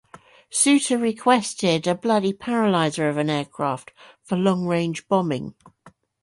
Sueter requested "a bloody paralyser of an aircraft" for long-range bombing.